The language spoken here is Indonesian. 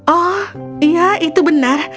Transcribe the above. oh iya itu benar